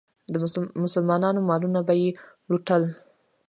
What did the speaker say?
مسلمانانو مالونه به یې لوټل.